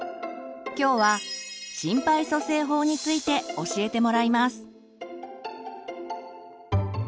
きょうは心肺蘇生法について教えてもらいます。